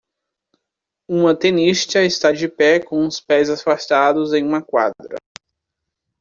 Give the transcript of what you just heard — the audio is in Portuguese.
Uma tenista está de pé com os pés afastados em uma quadra.